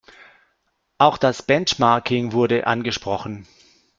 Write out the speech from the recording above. Auch das Benchmarking wurde angesprochen.